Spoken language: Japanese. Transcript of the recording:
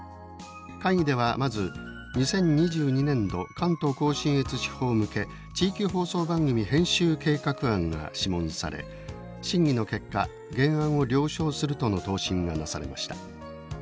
会議ではまず「２０２２年度関東甲信越地方向け地域放送番組編集計画案」が諮問され審議の結果原案を了承するとの答申がなされました。